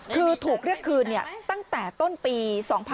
คือถูกเรียกคืนตั้งแต่ต้นปี๒๕๖๒